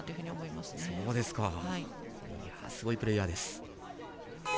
すごいプレーヤーです。